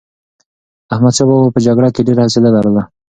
احمدشاه بابا په جګړه کې ډېر حوصله لرله.